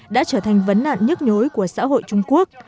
đã trở thành vấn nạn nhức nhối của xã hội trung quốc